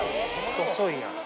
細いやん。